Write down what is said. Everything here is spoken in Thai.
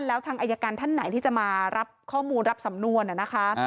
แล้วทางอายการท่านไหนที่จะมารับข้อมูลรับสำนวนนะคะ